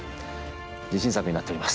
自信作になっております。